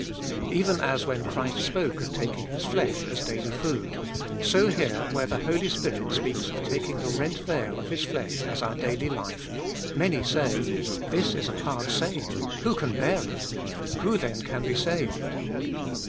Even as when Christ spoke of taking His flesh as daily food, so here where the Holy Spirit speaks of taking the rent veil of His flesh as our daily life, many say: This is a hard saying ; who can bear it? Who then can be saved?